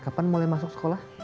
kapan mulai masuk sekolah